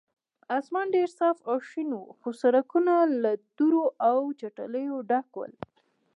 اسمان ډېر صاف او شین و، خو سړکونه له دوړو او چټلیو ډک ول.